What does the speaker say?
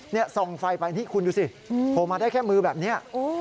นี่ส่องไฟไปนี่คุณดูสิโผล่มาได้แค่มือแบบนี้